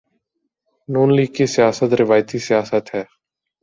ن لیگ کی سیاست روایتی سیاست ہے۔